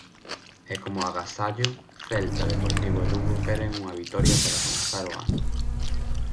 E como agasallo, Celta, Deportivo e Lugo queren unha vitoria para comezar o ano.